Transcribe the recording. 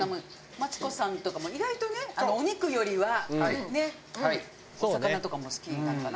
マツコさんとかも意外とねお肉よりはねお魚とかも好きなのかな？